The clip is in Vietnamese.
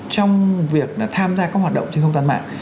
trong việc tham gia các hoạt động trên không gian mạng